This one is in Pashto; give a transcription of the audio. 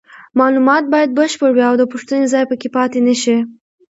معلومات باید بشپړ وي او د پوښتنې ځای پکې پاتې نشي.